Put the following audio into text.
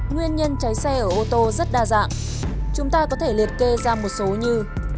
nguyên nhân cháy xe ở ô tô rất đa dạng chúng ta có thể liệt kê ra một số như